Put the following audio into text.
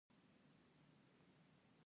حاکمیت په داخلي او خارجي قلمرو نفوذ دی.